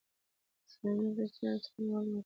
اسلامي ارزښتونه یې راڅخه ولوټل.